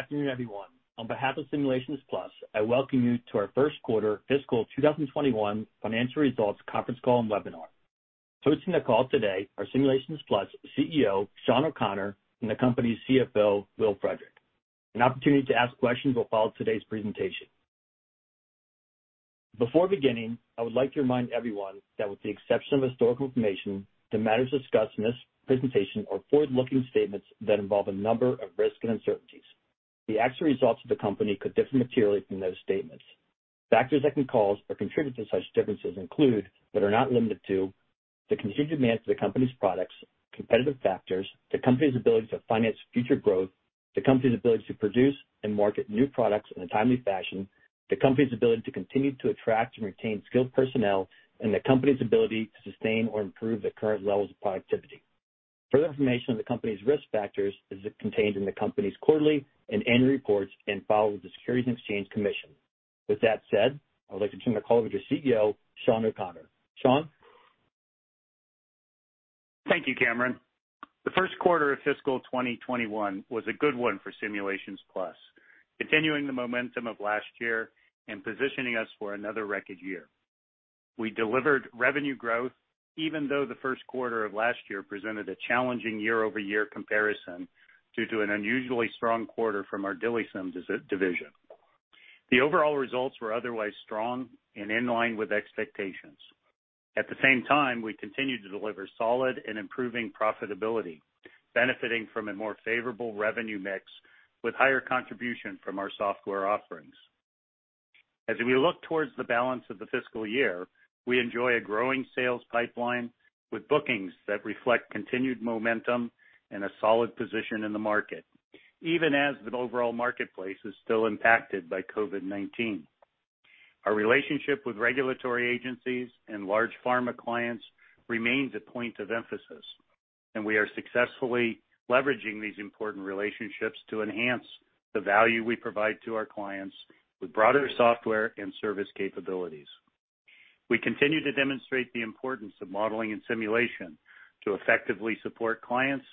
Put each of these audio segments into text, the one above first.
Good afternoon, everyone. On behalf of Simulations Plus, I welcome you to our first quarter fiscal 2021 financial results conference call and webinar. Hosting the call today are Simulations Plus CEO, Shawn O'Connor, and the company's CFO, Will Frederick. An opportunity to ask questions will follow today's presentation. Before beginning, I would like to remind everyone that with the exception of historical information, the matters discussed in this presentation are forward-looking statements that involve a number of risks and uncertainties. The actual results of the company could differ materially from those statements. Factors that can cause or contribute to such differences include, but are not limited to, the continued demand for the company's products, competitive factors, the company's ability to finance future growth, the company's ability to produce and market new products in a timely fashion, the company's ability to continue to attract and retain skilled personnel, and the company's ability to sustain or improve the current levels of productivity. Further information on the company's risk factors is contained in the company's quarterly and annual reports and filed with the Securities and Exchange Commission. With that said, I would like to turn the call over to CEO, Shawn O'Connor. Shawn? Thank you, Cameron. The first quarter of fiscal 2021 was a good one for Simulations Plus, continuing the momentum of last year and positioning us for another record year. We delivered revenue growth even though the first quarter of last year presented a challenging year-over-year comparison due to an unusually strong quarter from our DILIsym division. The overall results were otherwise strong and in line with expectations. At the same time, we continued to deliver solid and improving profitability, benefiting from a more favorable revenue mix with higher contribution from our software offerings. As we look towards the balance of the fiscal year, we enjoy a growing sales pipeline with bookings that reflect continued momentum and a solid position in the market, even as the overall marketplace is still impacted by COVID-19. Our relationship with regulatory agencies and large pharma clients remains a point of emphasis, and we are successfully leveraging these important relationships to enhance the value we provide to our clients with broader software and service capabilities. We continue to demonstrate the importance of modeling and simulation to effectively support clients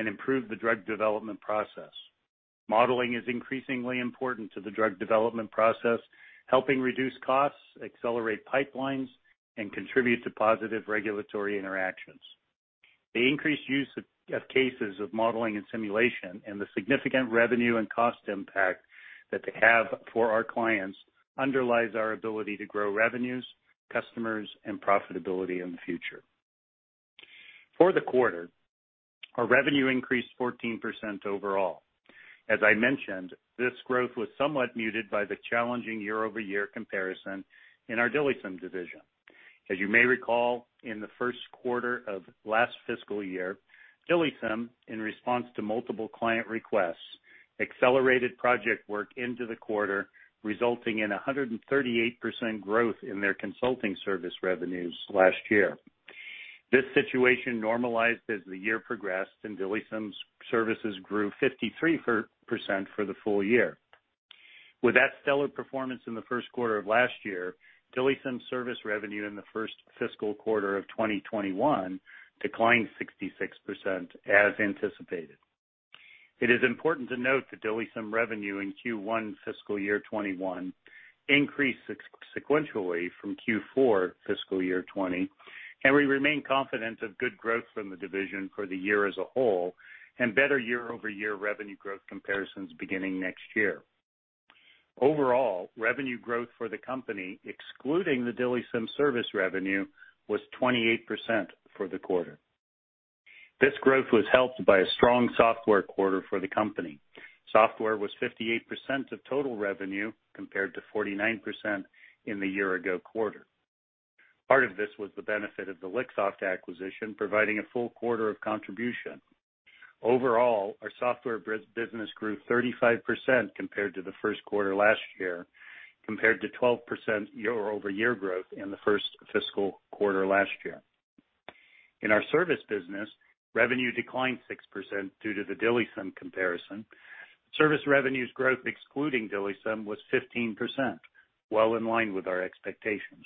and improve the drug development process. Modeling is increasingly important to the drug development process, helping reduce costs, accelerate pipelines, and contribute to positive regulatory interactions. The increased use of cases of modeling and simulation and the significant revenue and cost impact that they have for our clients underlies our ability to grow revenues, customers, and profitability in the future. For the quarter, our revenue increased 14% overall. As I mentioned, this growth was somewhat muted by the challenging year-over-year comparison in our DILIsym division. As you may recall, in the first quarter of last fiscal year, DILIsym, in response to multiple client requests, accelerated project work into the quarter, resulting in 138% growth in their consulting service revenues last year. This situation normalized as the year progressed, and DILIsym's services grew 53% for the full year. With that stellar performance in the first quarter of last year, DILIsym service revenue in the first fiscal quarter of 2021 declined 66%, as anticipated. It is important to note that DILIsym revenue in Q1 fiscal year 2021 increased sequentially from Q4 fiscal year 2020, and we remain confident of good growth from the division for the year as a whole and better year-over-year revenue growth comparisons beginning next year. Overall, revenue growth for the company, excluding the DILIsym service revenue, was 28% for the quarter. This growth was helped by a strong software quarter for the company. Software was 58% of total revenue compared to 49% in the year-ago quarter. Part of this was the benefit of the Lixoft acquisition providing a full quarter of contribution. Overall, our software business grew 35% compared to the first quarter last year, compared to 12% year-over-year growth in the first fiscal quarter last year. In our service business, revenue declined 6% due to the DILIsym comparison. Service revenues growth excluding DILIsym was 15%, well in line with our expectations.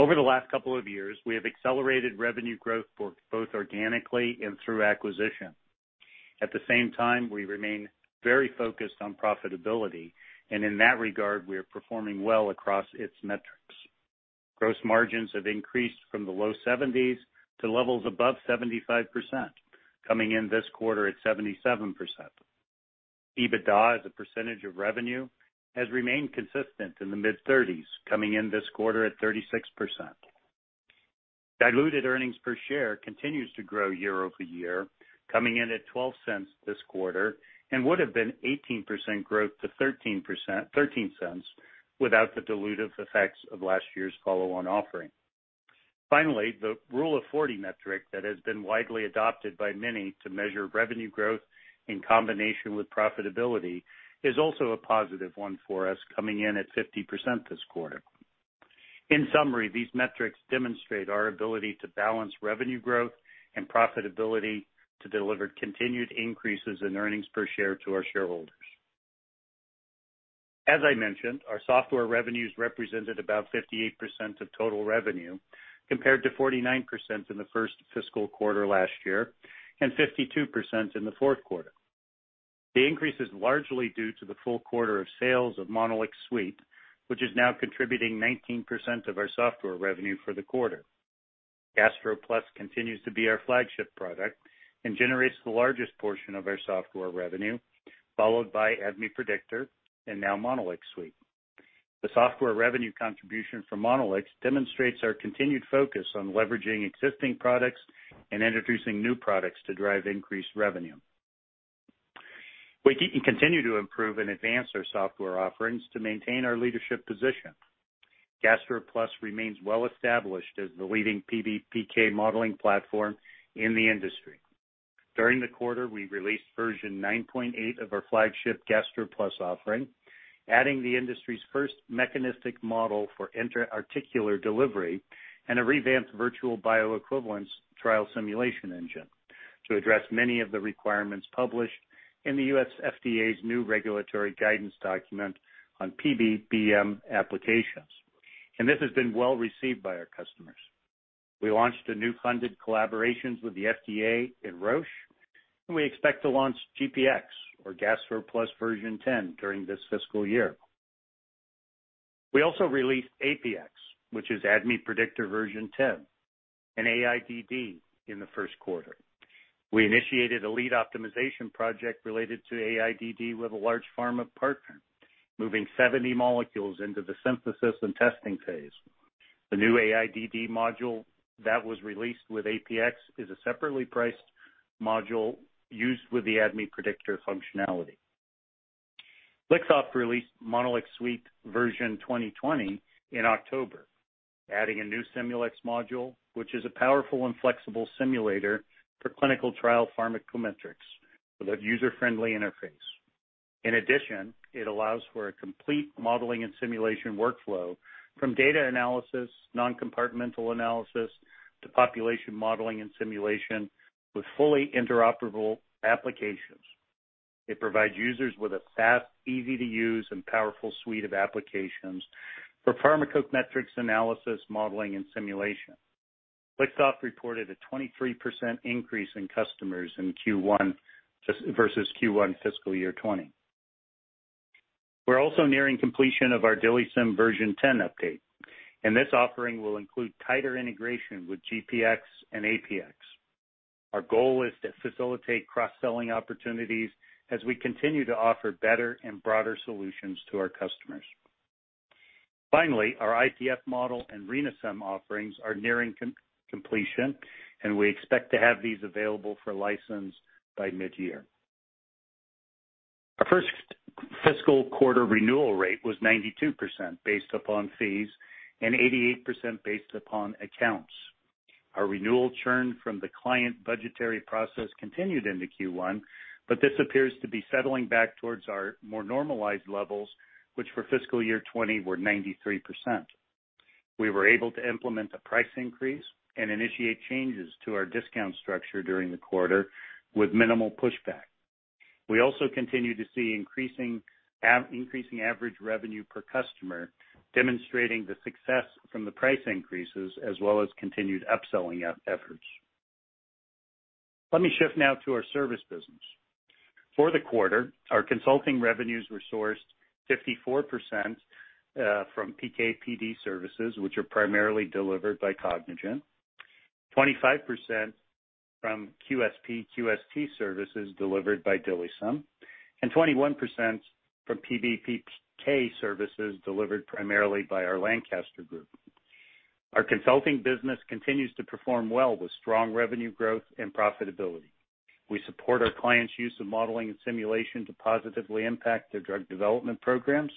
Over the last couple of years, we have accelerated revenue growth both organically and through acquisition. At the same time, we remain very focused on profitability, and in that regard, we are performing well across its metrics. Gross margins have increased from the low-70s to levels above 75%, coming in this quarter at 77%. EBITDA as a percentage of revenue has remained consistent in the mid-30s, coming in this quarter at 36%. Diluted earnings per share continues to grow year-over-year, coming in at $0.12 this quarter and would have been 18% growth to $0.13 without the dilutive effects of last year's follow-on offering. Finally, the Rule of 40 metric that has been widely adopted by many to measure revenue growth in combination with profitability is also a positive one for us, coming in at 50% this quarter. In summary, these metrics demonstrate our ability to balance revenue growth and profitability to deliver continued increases in earnings per share to our shareholders. As I mentioned, our software revenues represented about 58% of total revenue, compared to 49% in the first fiscal quarter last year and 52% in the fourth quarter. The increase is largely due to the full quarter of sales of MonolixSuite, which is now contributing 19% of our software revenue for the quarter. GastroPlus continues to be our flagship product and generates the largest portion of our software revenue, followed by ADMET Predictor, and now MonolixSuite. The software revenue contribution from Monolix demonstrates our continued focus on leveraging existing products and introducing new products to drive increased revenue. We continue to improve and advance our software offerings to maintain our leadership position. GastroPlus remains well-established as the leading PBPK modeling platform in the industry. During the quarter, we released version 9.8 of our flagship GastroPlus offering, adding the industry's first mechanistic model for intra-articular delivery and a revamped virtual bioequivalence trial simulation engine to address many of the requirements published in the U.S. FDA's new regulatory guidance document on PBPK applications. This has been well-received by our customers. We launched a new funded collaborations with the FDA and Roche, and we expect to launch GPX or GastroPlus version 10 during this fiscal year. We also released APX, which is ADMET Predictor version 10, and AIDD in the first quarter. We initiated a lead optimization project related to AIDD with a large pharma partner, moving 70 molecules into the synthesis and testing phase. The new AIDD module that was released with APX is a separately priced module used with the ADMET Predictor functionality. Lixoft released MonolixSuite version 2020 in October, adding a new Simulx module, which is a powerful and flexible simulator for clinical trial pharmacometrics with a user-friendly interface. In addition, it allows for a complete modeling and simulation workflow from data analysis, non-compartmental analysis, to population modeling and simulation with fully interoperable applications. It provides users with a fast, easy-to-use, and powerful suite of applications for pharmacometrics analysis, modeling, and simulation. Lixoft reported a 23% increase in customers in Q1 versus Q1 fiscal year 2020. We're also nearing completion of our DILIsym version 10 update, and this offering will include tighter integration with GPX and APX. Our goal is to facilitate cross-selling opportunities as we continue to offer better and broader solutions to our customers. Finally, our IPF model and RENAsym offerings are nearing completion, and we expect to have these available for license by mid-year. Our first fiscal quarter renewal rate was 92% based upon fees and 88% based upon accounts. Our renewal churn from the client budgetary process continued into Q1, but this appears to be settling back towards our more normalized levels, which for fiscal year 2020 were 93%. We were able to implement a price increase and initiate changes to our discount structure during the quarter with minimal pushback. We also continue to see increasing average revenue per customer, demonstrating the success from the price increases as well as continued upselling efforts. Let me shift now to our service business. For the quarter, our consulting revenues were sourced 54% from PK/PD services, which are primarily delivered by Cognigen, 25% from QSP/QST services delivered by DILIsym, and 21% from PBPK services delivered primarily by our Lancaster group. Our consulting business continues to perform well with strong revenue growth and profitability. We support our clients' use of modeling and simulation to positively impact their drug development programs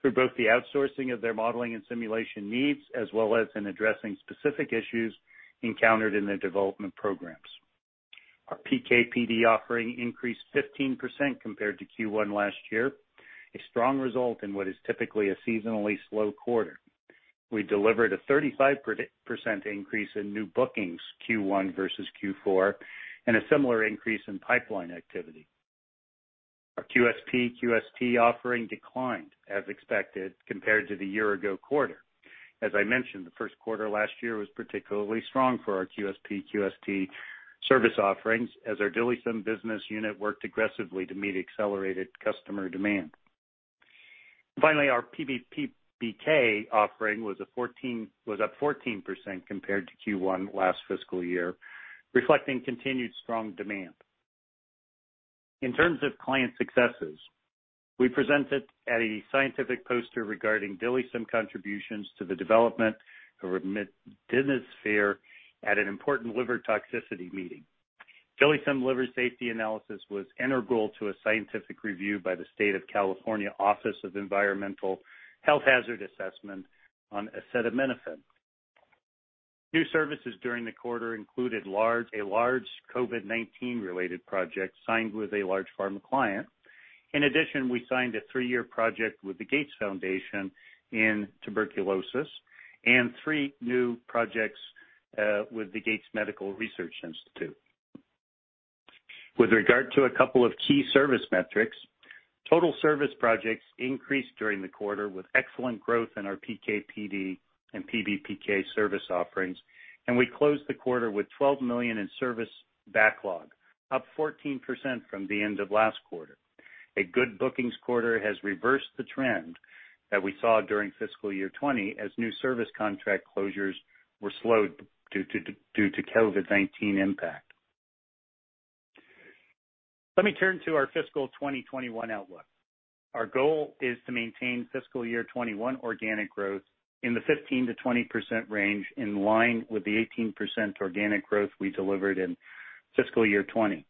through both the outsourcing of their modeling and simulation needs, as well as in addressing specific issues encountered in their development programs. Our PK/PD offering increased 15% compared to Q1 last year, a strong result in what is typically a seasonally slow quarter. We delivered a 35% increase in new bookings Q1 versus Q4, and a similar increase in pipeline activity. Our QSP/QST offering declined as expected compared to the year-ago quarter. As I mentioned, the first quarter last year was particularly strong for our QSP/QST service offerings as our DILIsym business unit worked aggressively to meet accelerated customer demand. Finally, our PBPK offering was up 14% compared to Q1 last fiscal year, reflecting continued strong demand. In terms of client successes, we presented at a scientific poster regarding DILIsym contributions to the development of remdesivir at an important liver toxicity meeting. DILIsym liver safety analysis was integral to a scientific review by the California Office of Environmental Health Hazard Assessment on acetaminophen. New services during the quarter included a large COVID-19 related project signed with a large pharma client. In addition, we signed a three-year project with the Gates Foundation in tuberculosis and three new projects with the Gates Medical Research Institute. With regard to a couple of key service metrics, total service projects increased during the quarter with excellent growth in our PK/PD and PBPK service offerings. We closed the quarter with $12 million in service backlog, up 14% from the end of last quarter. A good bookings quarter has reversed the trend that we saw during fiscal year 2020 as new service contract closures were slowed due to COVID-19 impact. Let me turn to our fiscal 2021 outlook. Our goal is to maintain fiscal year 2021 organic growth in the 15%-20% range, in line with the 18% organic growth we delivered in fiscal year 2020.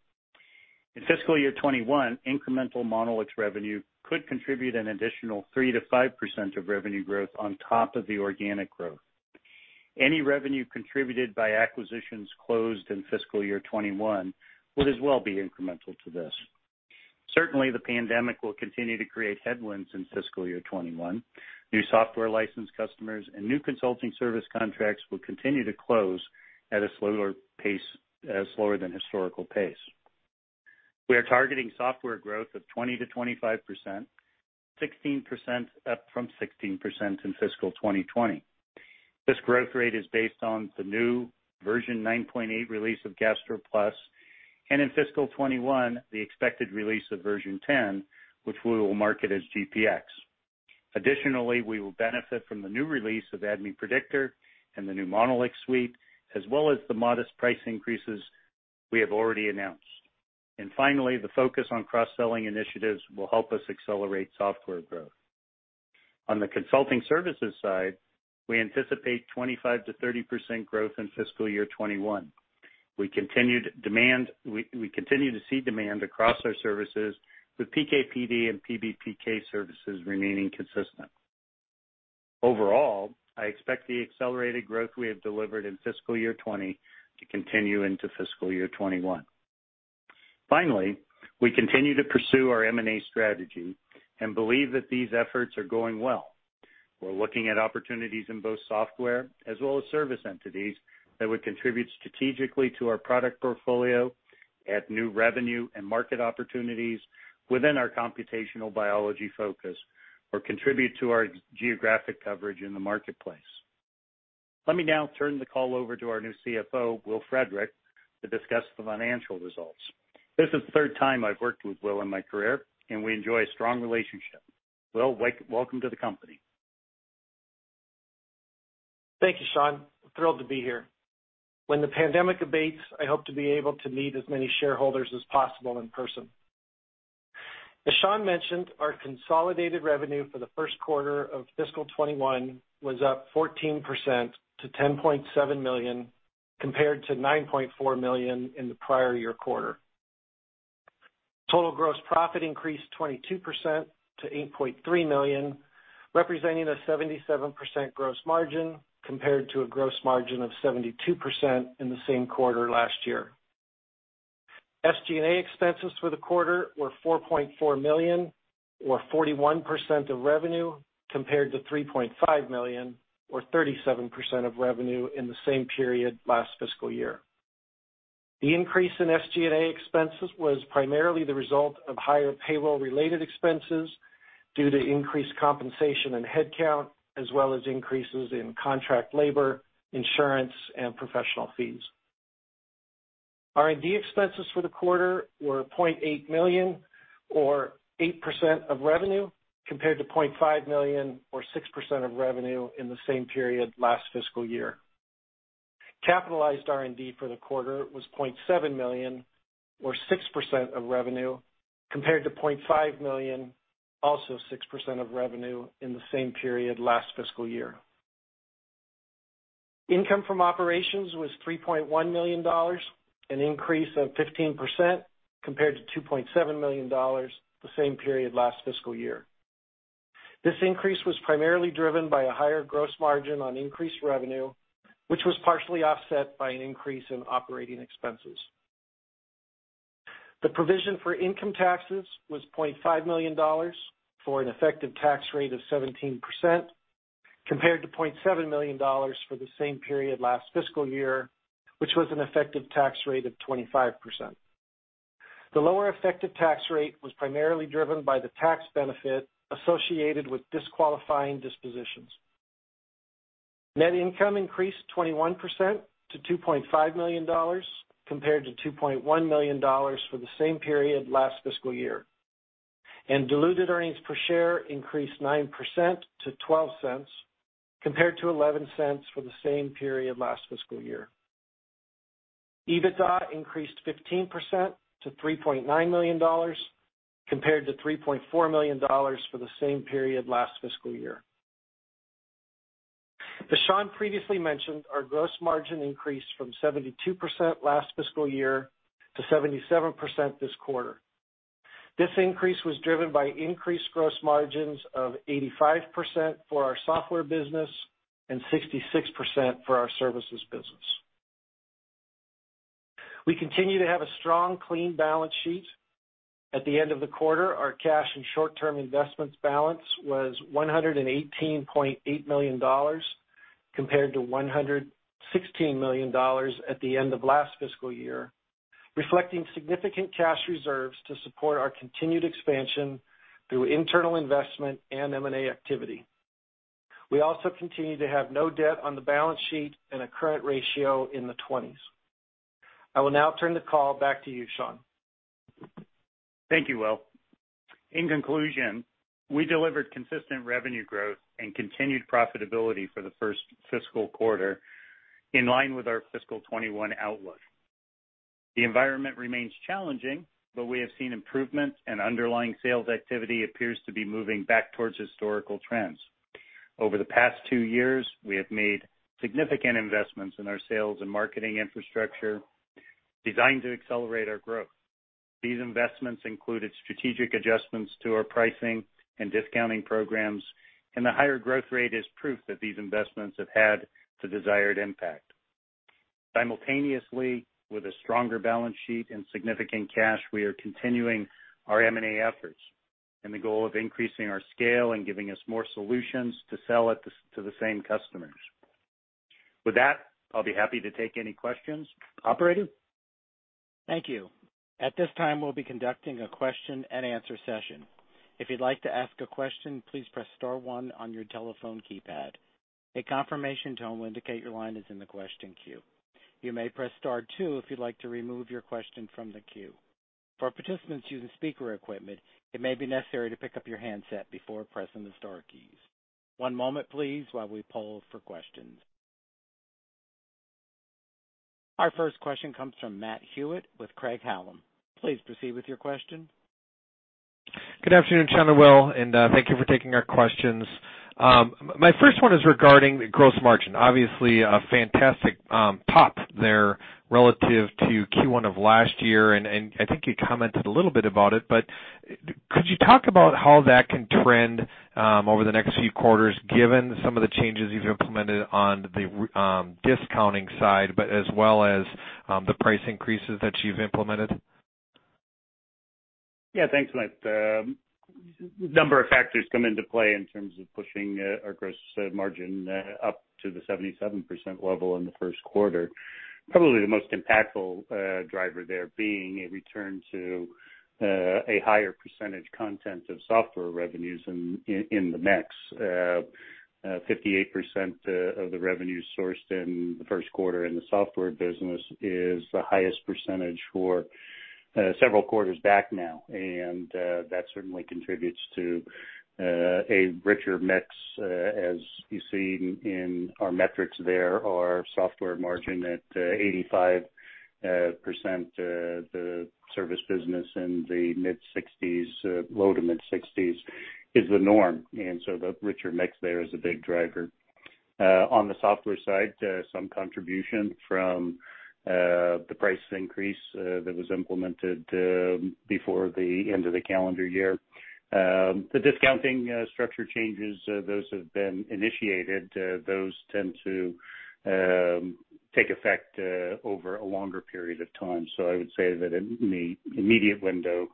In fiscal year 2021, incremental Monolix revenue could contribute an additional 3%-5% of revenue growth on top of the organic growth. Any revenue contributed by acquisitions closed in fiscal year 2021 would as well be incremental to this. Certainly, the pandemic will continue to create headwinds in fiscal year 2021. New software license customers and new consulting service contracts will continue to close at a slower than historical pace. We are targeting software growth of 20%-25%, 16% up from 16% in fiscal 2020. This growth rate is based on the new version 9.8 release of GastroPlus, and in fiscal 2021, the expected release of version 10, which we will market as GPX. Additionally, we will benefit from the new release of ADMET Predictor and the new MonolixSuite, as well as the modest price increases we have already announced. Finally, the focus on cross-selling initiatives will help us accelerate software growth. On the consulting services side, we anticipate 25%-30% growth in fiscal year 2021. We continue to see demand across our services, with PK/PD and PBPK services remaining consistent. Overall, I expect the accelerated growth we have delivered in fiscal year 2020 to continue into fiscal year 2021. Finally, we continue to pursue our M&A strategy and believe that these efforts are going well. We're looking at opportunities in both software as well as service entities that would contribute strategically to our product portfolio, add new revenue and market opportunities within our computational biology focus, or contribute to our geographic coverage in the marketplace. Let me now turn the call over to our new CFO, Will Frederick, to discuss the financial results. This is the third time I've worked with Will in my career, and we enjoy a strong relationship. Will, welcome to the company. Thank you, Shawn. I'm thrilled to be here. When the pandemic abates, I hope to be able to meet as many shareholders as possible in person. As Shawn mentioned, our consolidated revenue for the first quarter of fiscal 2021 was up 14% to $10.7 million, compared to $9.4 million in the prior year quarter. Total gross profit increased 22% to $8.3 million, representing a 77% gross margin, compared to a gross margin of 72% in the same quarter last year. SG&A expenses for the quarter were $4.4 million, or 41% of revenue, compared to $3.5 million, or 37% of revenue in the same period last fiscal year. The increase in SG&A expenses was primarily the result of higher payroll-related expenses due to increased compensation and headcount, as well as increases in contract labor, insurance, and professional fees. R&D expenses for the quarter were $0.8 million, or 8% of revenue, compared to $0.5 million, or 6% of revenue in the same period last fiscal year. Capitalized R&D for the quarter was $0.7 million, or 6% of revenue, compared to $0.5 million, also 6% of revenue in the same period last fiscal year. Income from operations was $3.1 million, an increase of 15%, compared to $2.7 million the same period last fiscal year. This increase was primarily driven by a higher gross margin on increased revenue, which was partially offset by an increase in operating expenses. The provision for income taxes was $0.5 million, for an effective tax rate of 17%, compared to $0.7 million for the same period last fiscal year, which was an effective tax rate of 25%. The lower effective tax rate was primarily driven by the tax benefit associated with disqualifying dispositions. Net income increased 21% to $2.5 million, compared to $2.1 million for the same period last fiscal year. Diluted earnings per share increased 9% to $0.12, compared to $0.11 for the same period last fiscal year. EBITDA increased 15% to $3.9 million, compared to $3.4 million for the same period last fiscal year. As Shawn previously mentioned, our gross margin increased from 72% last fiscal year to 77% this quarter. This increase was driven by increased gross margins of 85% for our software business and 66% for our services business. We continue to have a strong, clean balance sheet. At the end of the quarter, our cash and short-term investments balance was $118.8 million compared to $116 million at the end of last fiscal year, reflecting significant cash reserves to support our continued expansion through internal investment and M&A activity. We also continue to have no debt on the balance sheet and a current ratio in the 20s. I will now turn the call back to you, Shawn. Thank you, Will. In conclusion, we delivered consistent revenue growth and continued profitability for the first fiscal quarter in line with our fiscal 2021 outlook. The environment remains challenging, but we have seen improvements and underlying sales activity appears to be moving back towards historical trends. Over the past two years, we have made significant investments in our sales and marketing infrastructure designed to accelerate our growth. These investments included strategic adjustments to our pricing and discounting programs, and the higher growth rate is proof that these investments have had the desired impact. Simultaneously, with a stronger balance sheet and significant cash, we are continuing our M&A efforts and the goal of increasing our scale and giving us more solutions to sell to the same customers. With that, I'll be happy to take any questions. Operator? Thank you. At this time, we'll be conducting a question-and-answer session. If you'd like to ask a question, please press star one on your telephone keypad. A confirmation tone will indicate your line is in the question queue. You may press star two if you'd like to remove your question from the queue. For participants using speaker equipment, it may be necessary to pick up your handset before pressing the star keys. One moment, please, while we poll for questions. Thank you. Our first question comes from Matt Hewitt with Craig-Hallum. Please proceed with your question. Good afternoon, Shawn and Will, and thank you for taking our questions. My first one is regarding gross margin. Obviously, a fantastic pop there relative to Q1 of last year, and I think you commented a little bit about it, but could you talk about how that can trend over the next few quarters, given some of the changes you've implemented on the discounting side, but as well as the price increases that you've implemented? Yeah. Thanks, Matt. A number of factors come into play in terms of pushing our gross margin up to the 77% level in the first quarter. Probably the most impactful driver there being a return to a higher percentage content of software revenues in the mix. 58% of the revenue sourced in the first quarter in the software business is the highest percentage for several quarters back now. That certainly contributes to a richer mix, as you see in our metrics there, our software margin at 85%, the service business in the low to mid-60s is the norm. The richer mix there is a big driver. On the software side, some contribution from the price increase that was implemented before the end of the calendar year. The discounting structure changes, those have been initiated. Those tend to take effect over a longer period of time. I would say that in the immediate window,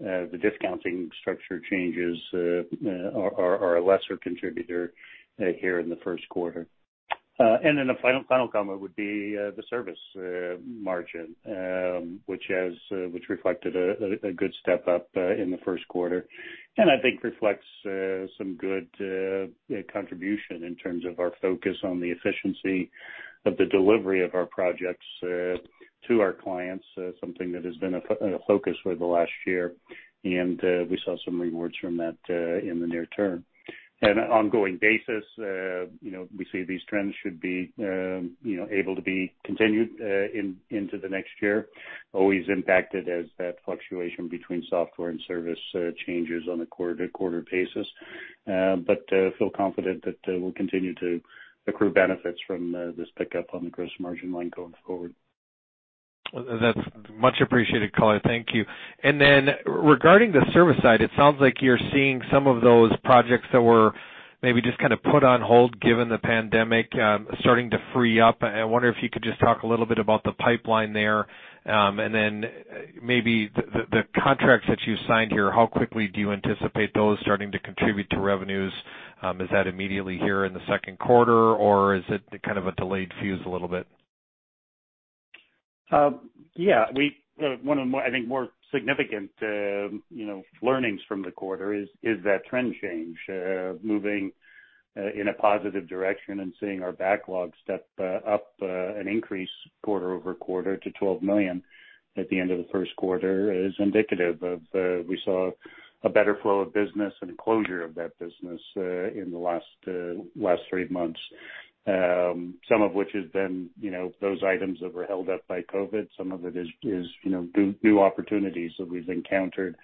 the discounting structure changes are a lesser contributor here in the first quarter. The final comment would be the service margin which reflected a good step up in the first quarter. I think reflects some good contribution in terms of our focus on the efficiency of the delivery of our projects to our clients, something that has been a focus over the last year, and we saw some rewards from that in the near term. On an ongoing basis, we see these trends should be able to be continued into the next year, always impacted as that fluctuation between software and service changes on a quarter-to-quarter basis. Feel confident that we'll continue to accrue benefits from this pickup on the gross margin line going forward. That's much appreciated color. Thank you. Regarding the service side, it sounds like you're seeing some of those projects that were maybe just kind of put on hold given the pandemic starting to free up. I wonder if you could just talk a little bit about the pipeline there, and then maybe the contracts that you signed here, how quickly do you anticipate those starting to contribute to revenues? Is that immediately here in the second quarter, or is it kind of a delayed fuse a little bit? Yeah. One of the, I think, more significant learnings from the quarter is that trend change. Moving in a positive direction and seeing our backlog step up and increase quarter-over-quarter to $12 million at the end of the first quarter is indicative of we saw a better flow of business and closure of that business in the last three months. Some of which has been those items that were held up by COVID. Some of it is new opportunities that we've encountered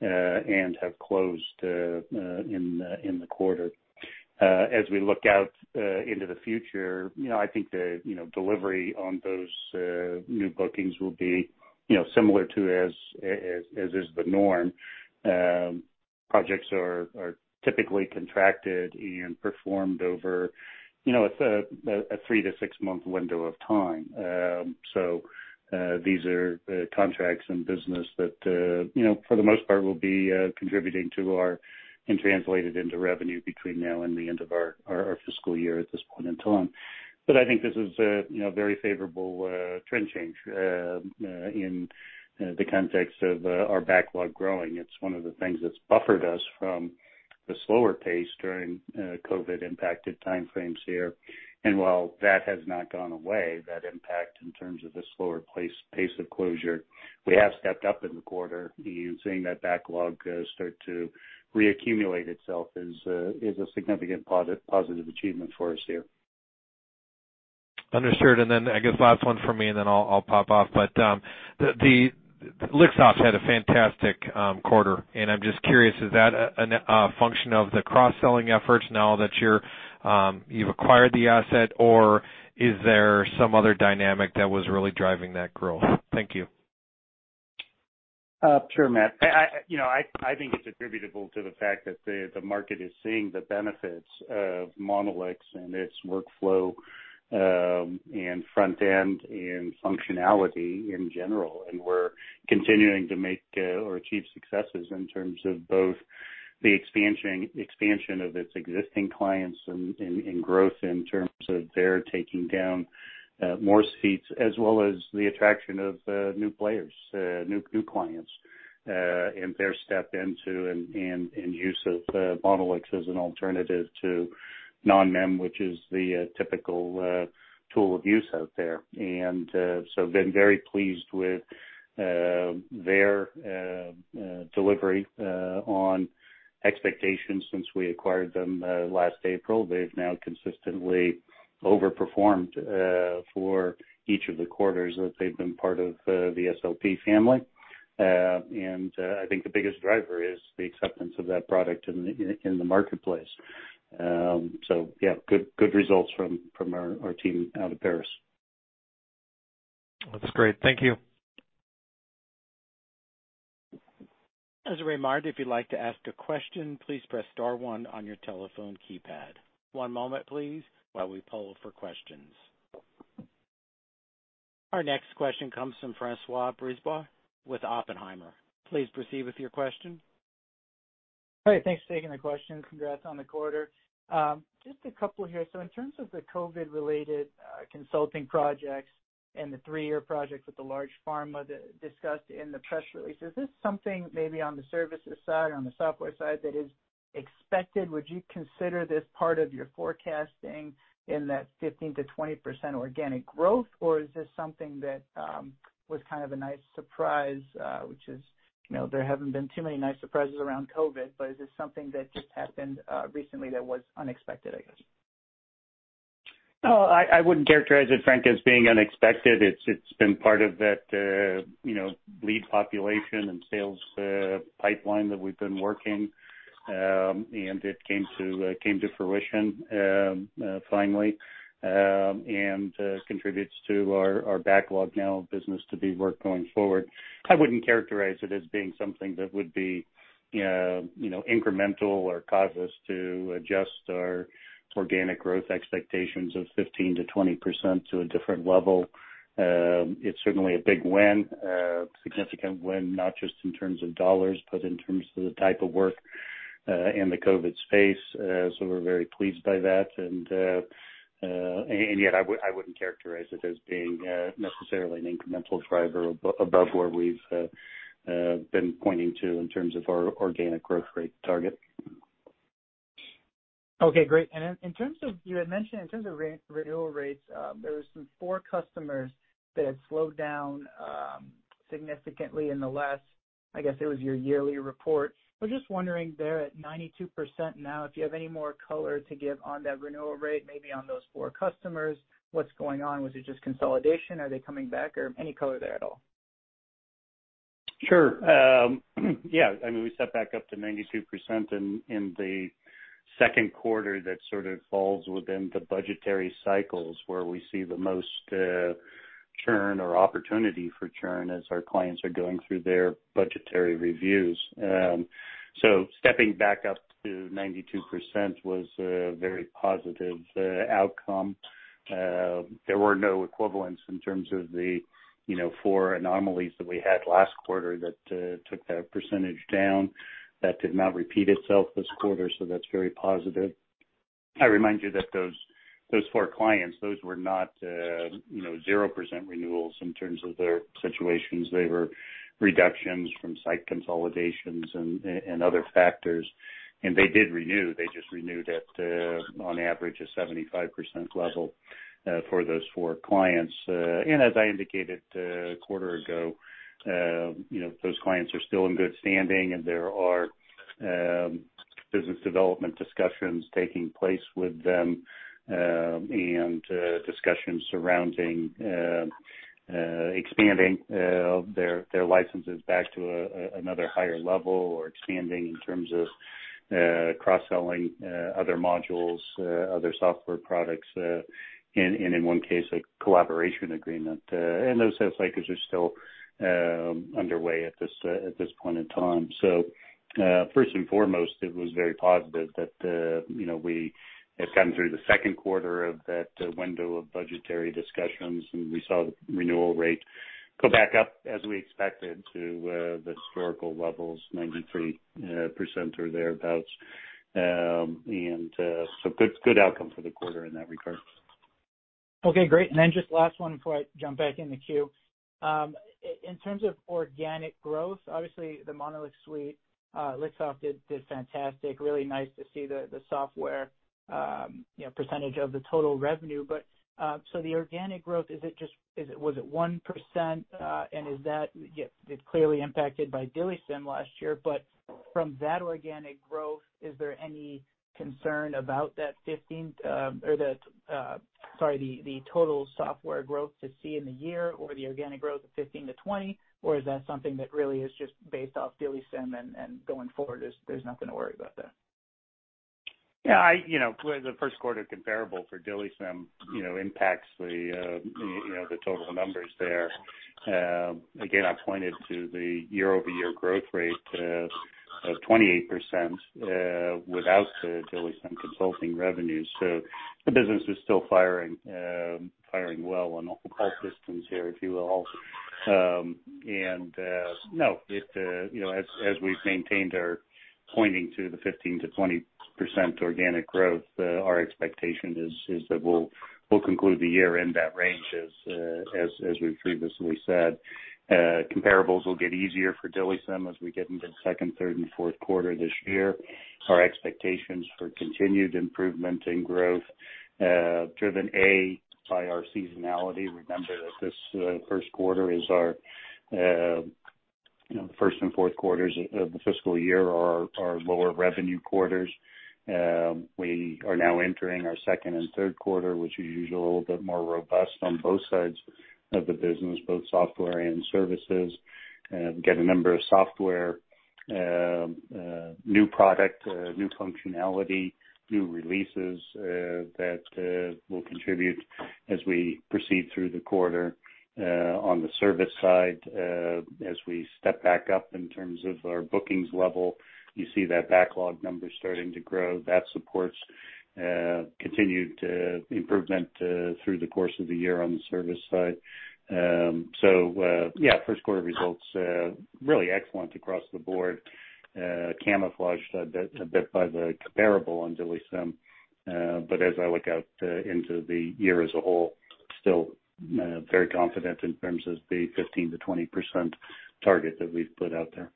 and have closed in the quarter. As we look out into the future, I think the delivery on those new bookings will be similar to as is the norm. Projects are typically contracted and performed over a three to six-month window of time. These are contracts and business that, for the most part, will be contributing to our, and translated into revenue between now and the end of our fiscal year at this point in time. I think this is a very favorable trend change in the context of our backlog growing. It's one of the things that's buffered us from the slower pace during COVID impacted timeframes here. While that has not gone away, that impact in terms of the slower pace of closure, we have stepped up in the quarter and seeing that backlog start to reaccumulate itself is a significant positive achievement for us here. Understood. I guess last one from me, and then I'll pop off. The Lixoft had a fantastic quarter, and I'm just curious, is that a function of the cross-selling efforts now that you've acquired the asset, or is there some other dynamic that was really driving that growth? Thank you. Sure, Matt. I think it's attributable to the fact that the market is seeing the benefits of Monolix and its workflow, and front end, and functionality in general. We're continuing to make or achieve successes in terms of both the expansion of its existing clients and growth in terms of their taking down more seats as well as the attraction of new players, new clients, and their step into and use of Monolix as an alternative to NONMEM, which is the typical tool of use out there. Been very pleased with their delivery on expectations since we acquired them last April. They've now consistently overperformed for each of the quarters that they've been part of the SLP family. I think the biggest driver is the acceptance of that product in the marketplace. Yeah, good results from our team out of Paris. That's great. Thank you. As a reminder, if you'd like to ask a question, please press star one on your telephone keypad. One moment, please, while we poll for questions. Our next question comes from François Brisebois with Oppenheimer. Please proceed with your question. Hi. Thanks for taking the question. Congrats on the quarter. Just a couple here. In terms of the COVID-related consulting projects and the three-year project with the large pharma discussed in the press release, is this something maybe on the services side, on the software side, that is expected? Would you consider this part of your forecasting in that 15%-20% organic growth? Or is this something that was kind of a nice surprise, which is, there haven't been too many nice surprises around COVID, but is this something that just happened recently that was unexpected, I guess? No, I wouldn't characterize it, Frank, as being unexpected. It's been part of that lead population and sales pipeline that we've been working. It came to fruition finally and contributes to our backlog now of business to be worked going forward. I wouldn't characterize it as being something that would be incremental or cause us to adjust our organic growth expectations of 15%-20% to a different level. It's certainly a big win, a significant win, not just in terms of dollars, but in terms of the type of work in the COVID space. We're very pleased by that. Yet I wouldn't characterize it as being necessarily an incremental driver above where we've been pointing to in terms of our organic growth rate target. Okay, great. You had mentioned in terms of renewal rates, there were some four customers that had slowed down significantly in the last, I guess it was your yearly report. I was just wondering, they're at 92% now, if you have any more color to give on that renewal rate, maybe on those four customers. What's going on? Was it just consolidation? Are they coming back? Any color there at all? Sure. Yeah. We stepped back up to 92% in the second quarter that sort of falls within the budgetary cycles where we see the most churn or opportunity for churn as our clients are going through their budgetary reviews. Stepping back up to 92% was a very positive outcome. There were no equivalents in terms of the four anomalies that we had last quarter that took that percentage down. That did not repeat itself this quarter, so that's very positive. I remind you that those four clients, those were not 0% renewals in terms of their situations. They were reductions from site consolidations and other factors. They did renew. They just renewed at, on average, a 75% level for those four clients. As I indicated a quarter ago, those clients are still in good standing, and there are business development discussions taking place with them, and discussions surrounding expanding their licenses back to another higher level or expanding in terms of cross-selling other modules, other software products, and in one case, a collaboration agreement. Those cycles are still underway at this point in time. First and foremost, it was very positive that we have gotten through the second quarter of that window of budgetary discussions, and we saw the renewal rate go back up as we expected to the historical levels, 93% or thereabouts. Good outcome for the quarter in that regard. Okay, great. Just last one before I jump back in the queue. In terms of organic growth, obviously the MonolixSuite, Lixoft did fantastic. Really nice to see the software percentage of the total revenue. The organic growth, was it 1%? It's clearly impacted by DILIsym last year. From that organic growth, is there any concern about that total software growth to see in the year or the organic growth of 15%-20%? Is that something that really is just based off DILIsym and going forward, there's nothing to worry about there? Yeah. The first quarter comparable for DILIsym impacts the total numbers there. Again, I pointed to the year-over-year growth rate of 28% without the DILIsym consulting revenues. The business is still firing well on all systems here, if you will. No, as we've maintained our pointing to the 15%-20% organic growth, our expectation is that we'll conclude the year in that range as we've previously said. Comparables will get easier for DILIsym as we get into the second, third, and fourth quarter this year. Our expectations for continued improvement in growth, driven, A, by our seasonality. Remember that this first and fourth quarters of the fiscal year are our lower revenue quarters. We are now entering our second and third quarter, which are usually a little bit more robust on both sides of the business, both software and services. Get a number of software, new product, new functionality, new releases that will contribute as we proceed through the quarter. On the service side, as we step back up in terms of our bookings level, you see that backlog number starting to grow. That supports continued improvement through the course of the year on the service side. Yeah, first quarter results really excellent across the board. Camouflaged a bit by the comparable on DILIsym. As I look out into the year as a whole, still very confident in terms of the 15%-20% target that we've put out there.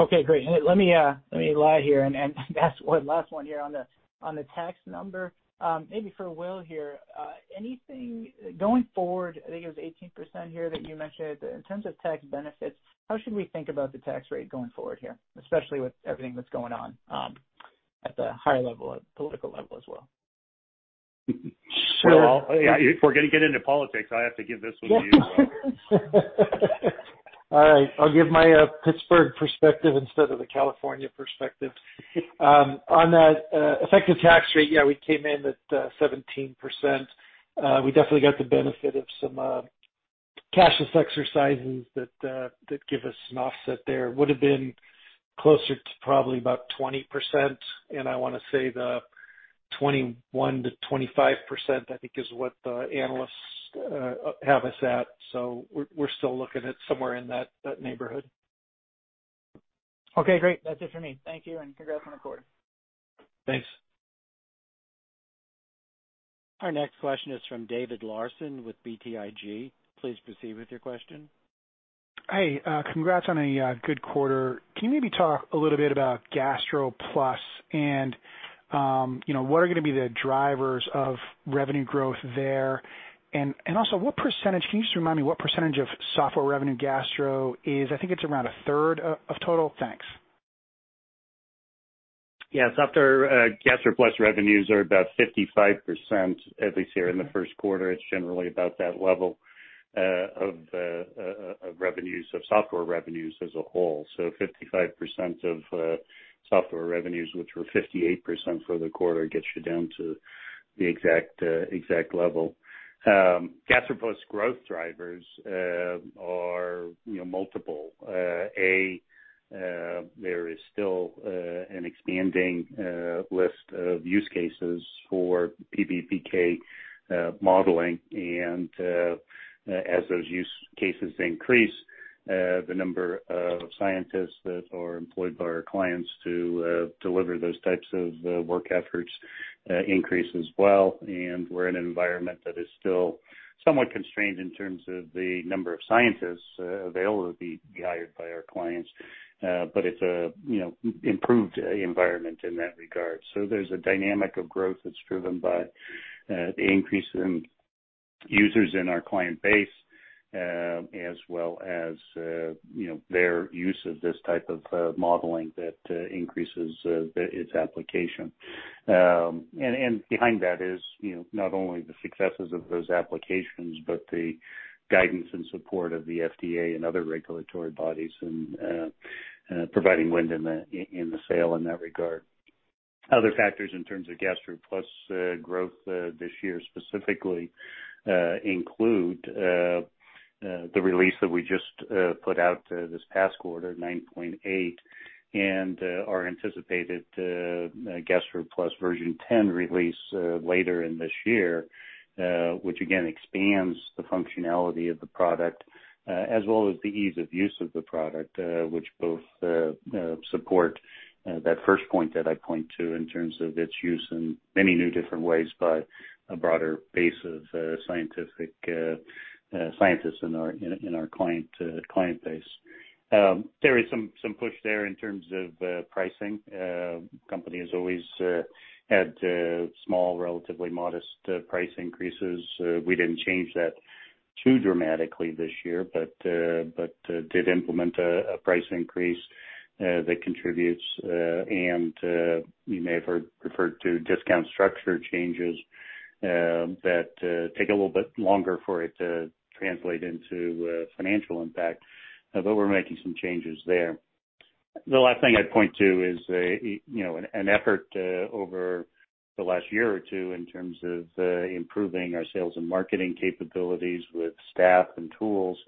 Okay, great. Let me lie here and ask one last one here on the tax number. Maybe for Will here. Going forward, I think it was 18% here that you mentioned. In terms of tax benefits, how should we think about the tax rate going forward here, especially with everything that's going on at the higher political level as well? Will? If we're going to get into politics, I have to give this one to you, Will. All right. I'll give my Pittsburgh perspective instead of the California perspective. On that effective tax rate, yeah, we came in at 17%. We definitely got the benefit of some cashless exercises that give us an offset there. Would've been closer to probably about 20%, and I want to say the 21%-25%, I think, is what the analysts have us at. We're still looking at somewhere in that neighborhood. Okay, great. That's it for me. Thank you, and congrats on the quarter. Thanks. Our next question is from David Larsen with BTIG. Please proceed with your question. Hey, congrats on a good quarter. Can you maybe talk a little bit about GastroPlus and what are going to be the drivers of revenue growth there? Can you just remind me what percentage of software revenue Gastro is? I think it's around a third of total. Thanks. Yeah. Software GastroPlus revenues are about 55%, at least here in the first quarter. It's generally about that level of software revenues as a whole. 55% of software revenues, which were 58% for the quarter, gets you down to the exact level. GastroPlus growth drivers are multiple. A, there is still an expanding list of use cases for PBPK modeling. As those use cases increase, the number of scientists that are employed by our clients to deliver those types of work efforts increase as well. It's an improved environment in that regard. There's a dynamic of growth that's driven by the increase in users in our client base, as well as their use of this type of modeling that increases its application. Behind that is not only the successes of those applications, but the guidance and support of the FDA and other regulatory bodies and providing wind in the sail in that regard. Other factors in terms of GastroPlus growth this year specifically include the release that we just put out this past quarter, 9.8, and our anticipated GastroPlus version 10 release later in this year, which again expands the functionality of the product as well as the ease of use of the product, which both support that first point that I point to in terms of its use in many new different ways by a broader base of scientists in our client base. There is some push there in terms of pricing. Company has always had small, relatively modest price increases. We didn't change that too dramatically this year, but did implement a price increase that contributes. You may have heard referred to discount structure changes that take a little bit longer for it to translate into financial impact, but we're making some changes there. The last thing I'd point to is an effort over the last year or two in terms of improving our sales and marketing capabilities with staff and tools,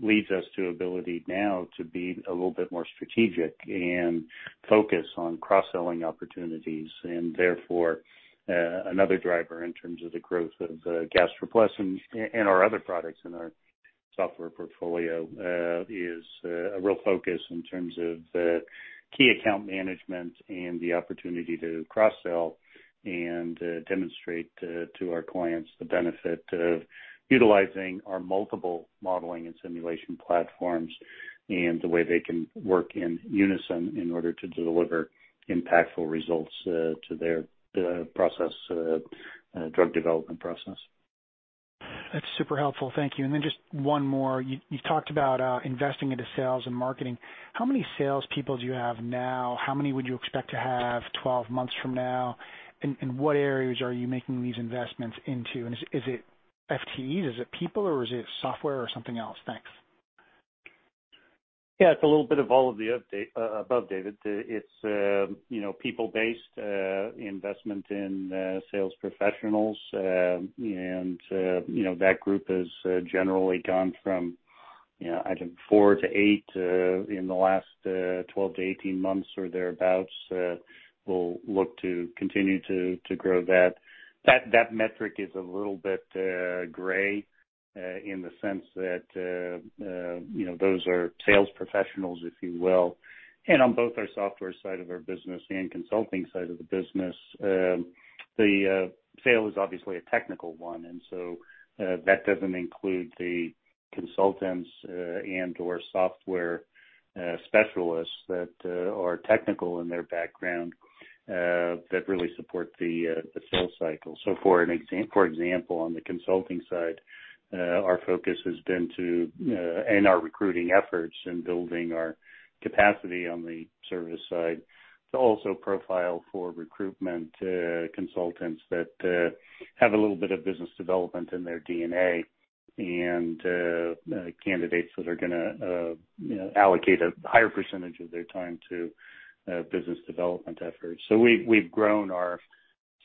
leads us to ability now to be a little bit more strategic and focus on cross-selling opportunities and therefore, another driver in terms of the growth of GastroPlus and our other products in our software portfolio is a real focus in terms of key account management and the opportunity to cross-sell and demonstrate to our clients the benefit of utilizing our multiple modeling and simulation platforms and the way they can work in unison in order to deliver impactful results to their drug development process. That's super helpful. Thank you. Just one more. You talked about investing into sales and marketing. How many salespeople do you have now? How many would you expect to have 12 months from now? What areas are you making these investments into, and is it FTEs? Is it people, or is it software or something else? Thanks. Yeah, it's a little bit of all of the above, David. It's people-based investment in sales professionals. That group has generally gone from, I think, four to eight in the last 12-18 months or thereabouts. We'll look to continue to grow that. That metric is a little bit gray, in the sense that those are sales professionals, if you will. On both our software side of our business and consulting side of the business, the sale is obviously a technical one, and so that doesn't include the consultants and/or software specialists that are technical in their background that really support the sales cycle. For example, on the consulting side, our focus has been to, and our recruiting efforts in building our capacity on the service side, to also profile for recruitment consultants that have a little bit of business development in their DNA and candidates that are going to allocate a higher percentage of their time to business development efforts. We've grown our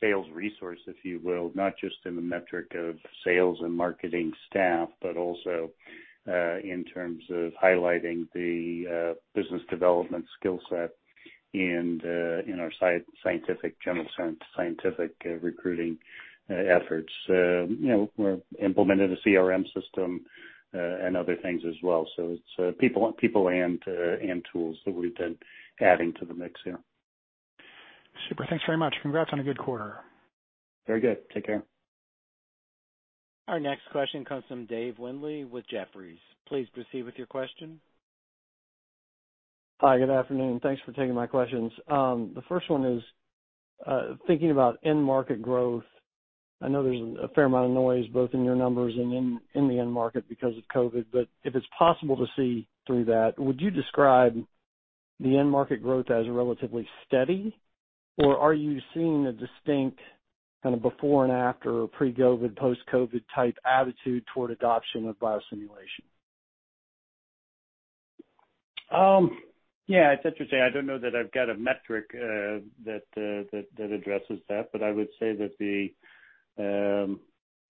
sales resource, if you will, not just in the metric of sales and marketing staff, but also in terms of highlighting the business development skill set and in our general scientific recruiting efforts. We're implementing a CRM system and other things as well. It's people and tools that we've been adding to the mix here. Super. Thanks very much. Congrats on a good quarter. Very good. Take care. Our next question comes from Dave Windley with Jefferies. Please proceed with your question. Hi, good afternoon. Thanks for taking my questions. The first one is, thinking about end market growth, I know there's a fair amount of noise both in your numbers and in the end market because of COVID, but if it's possible to see through that, would you describe the end market growth as relatively steady, or are you seeing a distinct kind of before and after or pre-COVID, post-COVID type attitude toward adoption of biosimulation? Yeah, it's interesting. I don't know that I've got a metric that addresses that, but I would say that the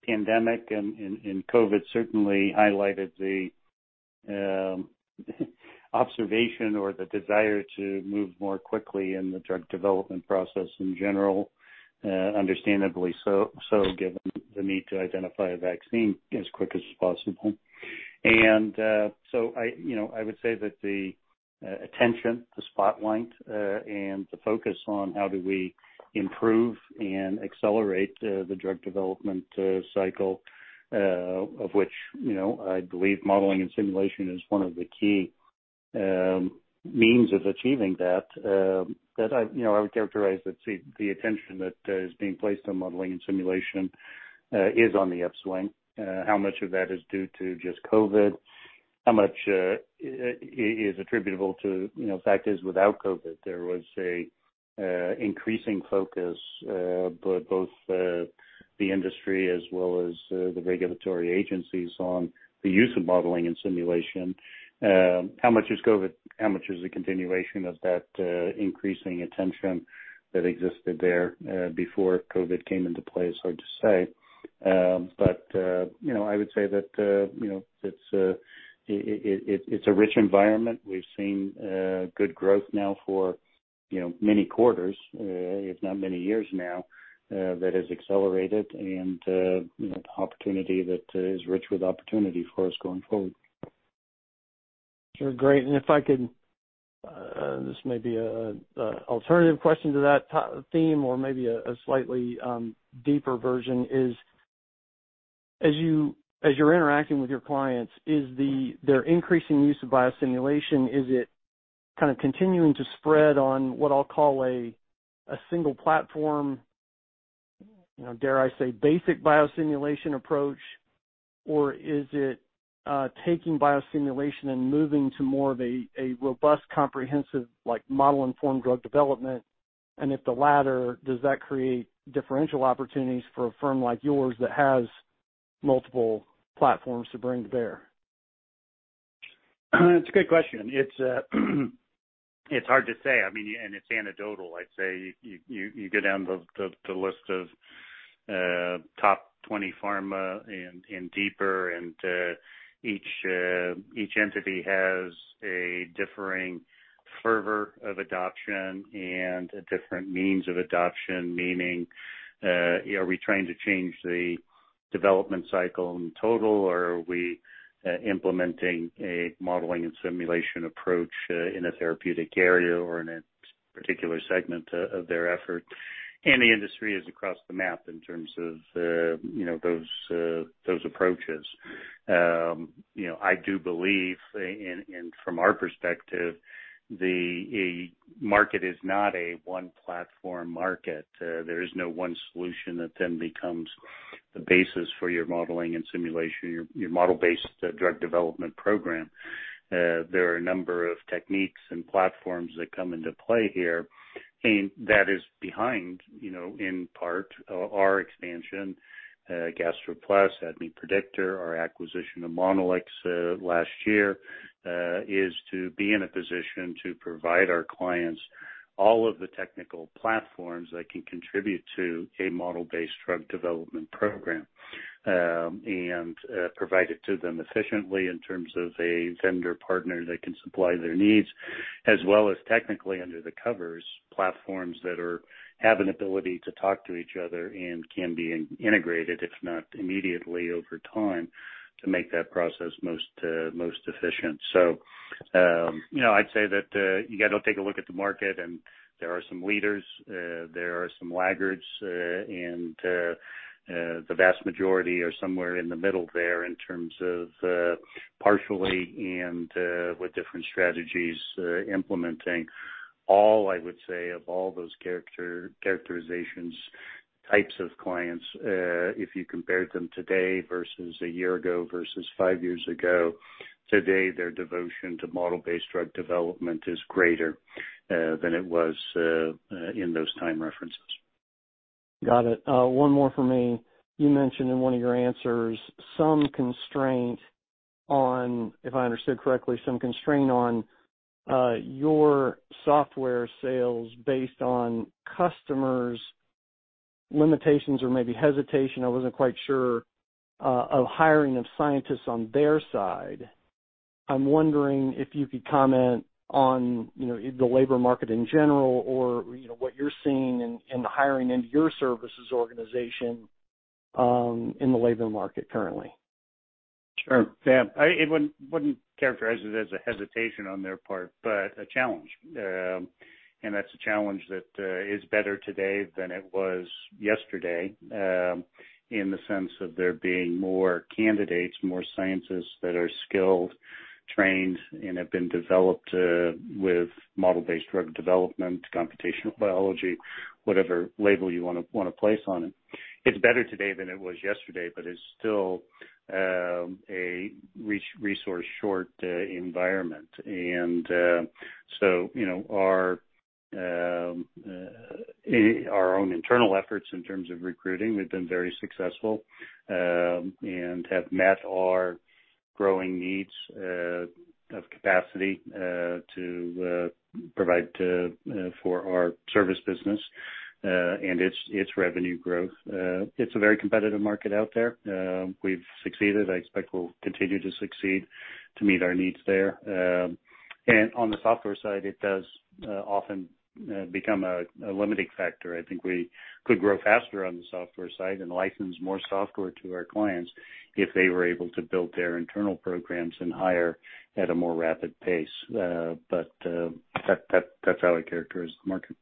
pandemic and COVID certainly highlighted the observation or the desire to move more quickly in the drug development process in general, understandably so, given the need to identify a vaccine as quick as possible. I would say that the attention, the spotlight, and the focus on how do we improve and accelerate the drug development cycle, of which I believe modeling and simulation is one of the key means of achieving that. I would characterize that the attention that is being placed on modeling and simulation is on the upswing. How much of that is due to just COVID? How much is attributable to, fact is, without COVID, there was an increasing focus by both the industry as well as the regulatory agencies on the use of modeling and simulation. How much is COVID, how much is the continuation of that increasing attention that existed there before COVID came into play is hard to say. I would say that it's a rich environment. We've seen good growth now for many quarters, if not many years now, that has accelerated and is rich with opportunity for us going forward. Sure. Great. If I could, this may be an alternative question to that theme or maybe a slightly deeper version is, as you're interacting with your clients, their increasing use of biosimulation, is it continuing to spread on what I'll call a single platform, dare I say, basic biosimulation approach, or is it taking biosimulation and moving to more of a robust, comprehensive, model-informed drug development? If the latter, does that create differential opportunities for a firm like yours that has multiple platforms to bring to bear? It's a good question. It's hard to say. I mean, it's anecdotal. I'd say you go down the list of top 20 pharma and deeper and each entity has a differing fervor of adoption and a different means of adoption, meaning, are we trying to change the development cycle in total, or are we implementing a modeling and simulation approach in a therapeutic area or in a particular segment of their effort? The industry is across the map in terms of those approaches. I do believe, from our perspective, the market is not a one-platform market. There is no one solution that then becomes the basis for your modeling and simulation, your model-based drug development program. There are a number of techniques and platforms that come into play here. That is behind, in part, our expansion, GastroPlus, ADMET Predictor, our acquisition of Monolix last year, is to be in a position to provide our clients all of the technical platforms that can contribute to a model-based drug development program. Provide it to them efficiently in terms of a vendor partner that can supply their needs, as well as technically under the covers, platforms that have an ability to talk to each other and can be integrated, if not immediately, over time, to make that process most efficient. I'd say that you got to take a look at the market, and there are some leaders, there are some laggards, and the vast majority are somewhere in the middle there in terms of partially and with different strategies implementing. All I would say of all those characterizations, types of clients, if you compared them today versus a year ago versus five years ago, today their devotion to model-based drug development is greater than it was in those time references. Got it. One more for me. You mentioned in one of your answers some constraint on, if I understood correctly, some constraint on your software sales based on customers' limitations or maybe hesitation, I wasn't quite sure, of hiring of scientists on their side. I'm wondering if you could comment on the labor market in general or what you're seeing in the hiring into your services organization in the labor market currently. Sure. Yeah. I wouldn't characterize it as a hesitation on their part, but a challenge. That's a challenge that is better today than it was yesterday, in the sense of there being more candidates, more scientists that are skilled, trained, and have been developed with model-based drug development, computational biology, whatever label you want to place on it. It's better today than it was yesterday, but it's still a resource-short environment. So our own internal efforts in terms of recruiting, we've been very successful and have met our growing needs of capacity to provide for our service business and its revenue growth. It's a very competitive market out there. We've succeeded. I expect we'll continue to succeed to meet our needs there. On the software side, it does often become a limiting factor. I think we could grow faster on the software side and license more software to our clients if they were able to build their internal programs and hire at a more rapid pace. That's how I characterize the market.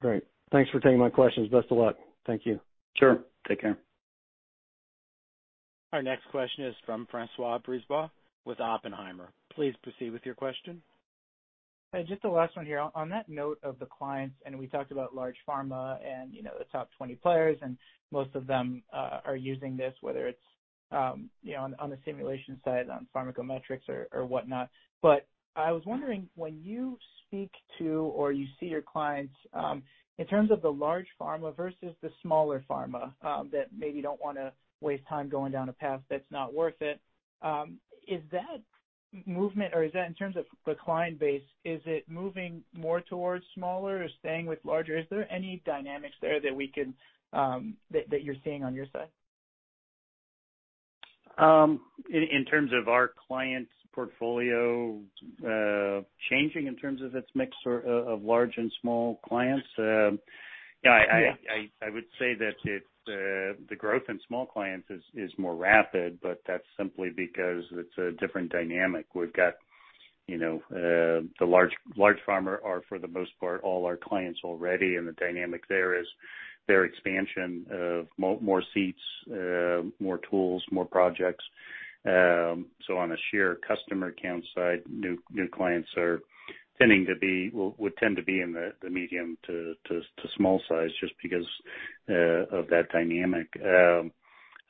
Great. Thanks for taking my questions. Best of luck. Thank you. Sure. Take care. Our next question is from François Brisebois with Oppenheimer. Please proceed with your question. Just the last one here. On that note of the clients, we talked about large pharma and the top 20 players, and most of them are using this, whether it's on the simulation side, on pharmacometrics or whatnot. I was wondering, when you speak to or you see your clients, in terms of the large pharma versus the smaller pharma that maybe don't want to waste time going down a path that's not worth it, is that movement or is that in terms of the client base, is it moving more towards smaller or staying with larger? Is there any dynamics there that you're seeing on your side? In terms of our clients portfolio changing in terms of its mix of large and small clients? Yeah. I would say that the growth in small clients is more rapid, but that's simply because it's a different dynamic. We've got the large pharma are, for the most part, all our clients already, and the dynamic there is their expansion of more seats, more tools, more projects. On a sheer customer count side, new clients would tend to be in the medium to small size just because of that dynamic.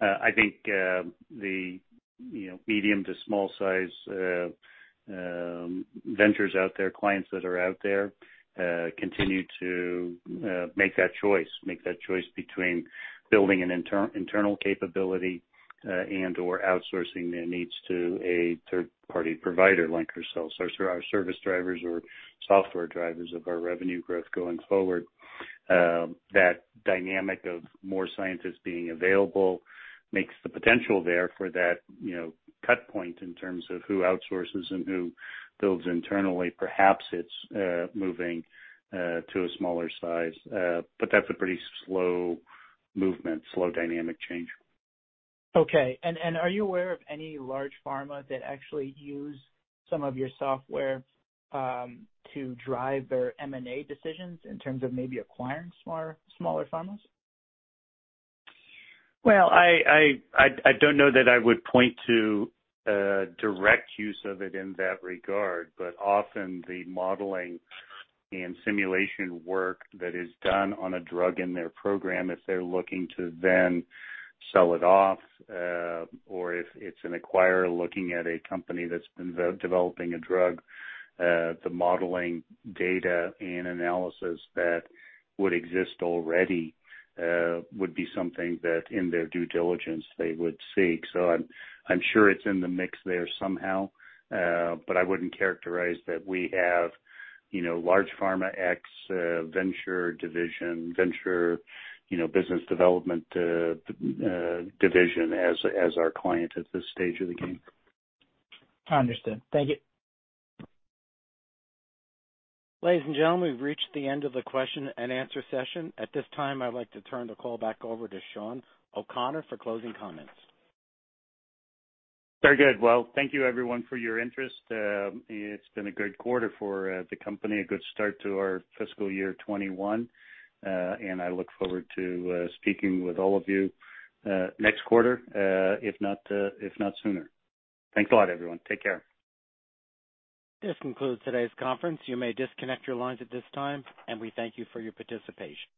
I think the medium to small size ventures out there, clients that are out there, continue to make that choice between building an internal capability and/or outsourcing their needs to a third-party provider like ourselves. Those are our service drivers or software drivers of our revenue growth going forward. That dynamic of more scientists being available makes the potential there for that cut point in terms of who outsources and who builds internally. Perhaps it's moving to a smaller size. That's a pretty slow movement, slow dynamic change. Okay. Are you aware of any large pharma that actually use some of your software to drive their M&A decisions in terms of maybe acquiring smaller pharmas? Well, I don't know that I would point to direct use of it in that regard, but often the modeling and simulation work that is done on a drug in their program, if they're looking to then sell it off or if it's an acquirer looking at a company that's been developing a drug, the modeling data and analysis that would exist already would be something that in their due diligence they would seek. I'm sure it's in the mix there somehow, but I wouldn't characterize that we have large pharma X venture division, venture business development division as our client at this stage of the game. Understood. Thank you. Ladies and gentlemen, we've reached the end of the question and answer session. At this time, I'd like to turn the call back over to Shawn O'Connor for closing comments. Very good. Well, thank you everyone for your interest. It's been a great quarter for the company, a good start to our fiscal year 2021. I look forward to speaking with all of you next quarter, if not sooner. Thanks a lot, everyone. Take care. This concludes today's conference. You may disconnect your lines at this time. We thank you for your participation.